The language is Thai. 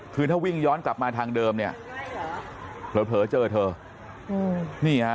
คือถ้าวิ่งย้อนกลับมาทางเดิมเผลอเจอเธอ